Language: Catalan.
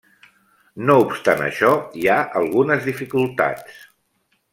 No obstant això, hi ha algunes dificultats.